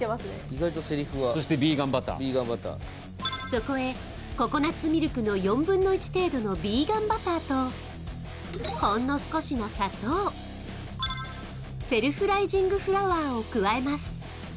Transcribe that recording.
意外とせりふはそしてヴィーガンバターそこへココナッツミルクの４分の１程度のヴィーガンバターとほんの少しの砂糖セルフライジング・フラワーを加えます